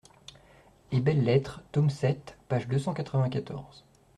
et belles-lettres, tome sept, page deux cent quatre-vingt-quatorze).